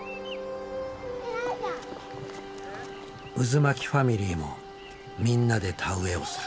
うずまきファミリーもみんなで田植えをする。